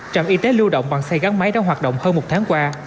trạm y tế lưu động bằng xe gắn máy đã hoạt động hơn một tháng qua